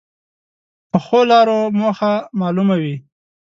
پخو لارو موخه معلومه وي